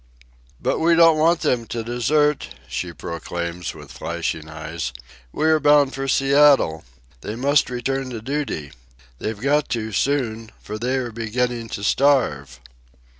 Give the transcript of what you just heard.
"But we don't want them to desert," she proclaims with flashing eyes. "We are bound for Seattle. They must return to duty. They've got to, soon, for they are beginning to starve."